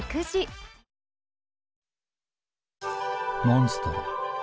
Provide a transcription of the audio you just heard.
モンストロ。